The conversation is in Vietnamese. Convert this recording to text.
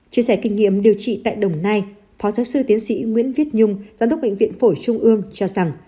chia sẻ kinh nghiệm điều trị tại đồng nai phó giáo sư tiến sĩ nguyễn viết nhung giám đốc bệnh viện phổi trung ương cho rằng